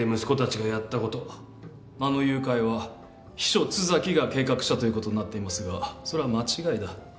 あの誘拐は秘書津崎が計画したということになっていますがそれは間違いだ。